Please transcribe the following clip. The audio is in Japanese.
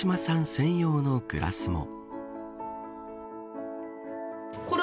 専用のグラスも。